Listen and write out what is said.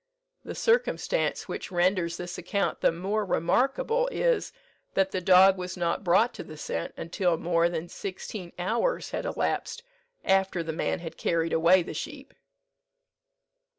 The circumstance which renders this account the more remarkable is, that the dog was not brought to the scent until more than sixteen hours had elapsed after the man had carried away the sheep."